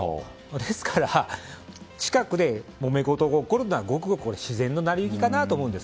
ですから、近くでもめ事が起こるのはごくごく自然の成り行きかなと思うんです。